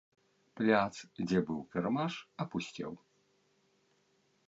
Пляц, дзе быў кірмаш, апусцеў.